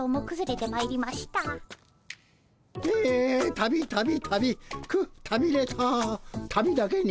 「旅旅旅くったびれた旅だけに」。